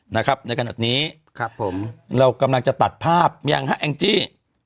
ในขณะนี้เรากำลังจะตัดภาพยังฮะแอ้งจี้